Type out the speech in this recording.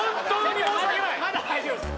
まだ大丈夫です